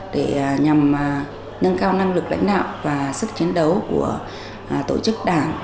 để nhằm nâng cao năng lực lãnh đạo và sức chiến đấu của tổ chức đảng